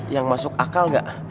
yang masuk akal gak